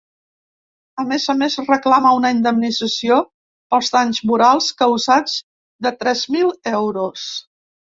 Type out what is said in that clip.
A més a més reclama una indemnització pels danys morals causats de tres mil euros.